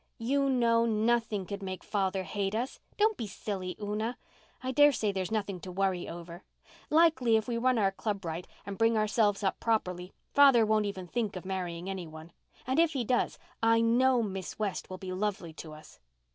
"You know nothing could make father hate us. Don't be silly, Una. I dare say there's nothing to worry over. Likely if we run our club right and bring ourselves up properly father won't think of marrying any one. And if he does, I know Miss West will be lovely to us."